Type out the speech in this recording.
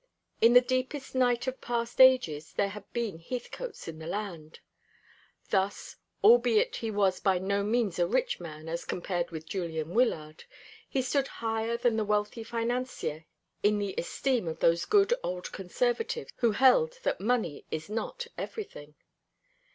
In the deepest night of past ages there had been Heathcotes in the land. Thus, albeit he was by no means a rich man as compared with Julian Wyllard, he stood higher than the wealthy financier in the esteem of those good old conservatives who held that money is not everything.